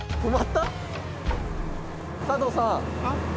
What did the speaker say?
佐藤さん